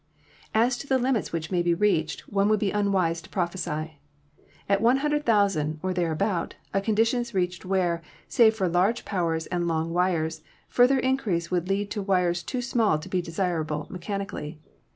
"As to the limits which may be reached one would be unwise to prophesy. At 100,000, or about there, a condi tion is reached where, save for large powers and long wires, further increase would lead to wires too small to be desirable mechanically.